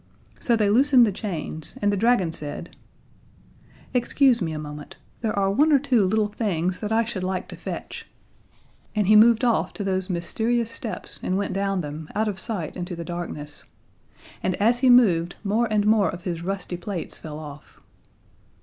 So they loosened the chains, and the dragon said: "Excuse me a moment, there are one or two little things I should like to fetch," and he moved off to those mysterious steps and went down them, out of sight into the darkness. And as he moved, more and more of his rusty plates fell off.